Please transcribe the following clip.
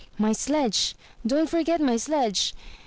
"My sledge! Don't forget my sledge!